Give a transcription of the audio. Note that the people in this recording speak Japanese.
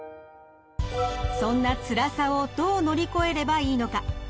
そんなつらさをどう乗り越えればいいのか？